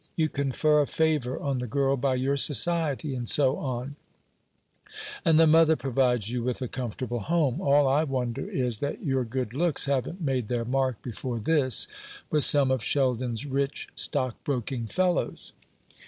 You confer a favour on the girl by your society, and so on, and the mother provides you with a comfortable home; All I wonder is that your good looks haven't made their mark before this with some of Sheldon's rich stockbroking fellows."